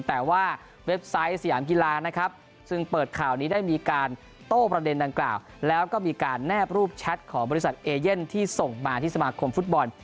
แต่ว่าเว็บไซต์สยามกีฬานะครับซึ่งเปิดข่าวนี้ได้มีการโต้ประเด็นดังกล่าวแล้วก็มีการแนบรูปแชทของบริษัทเอเย่นที่ส่งมาที่สมาคมฟุตบอล